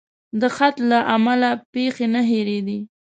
د خط له امله پیښې نه هېرېدې.